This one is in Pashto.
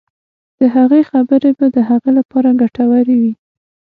د هغه خبرې به د هغه لپاره ګټورې وي.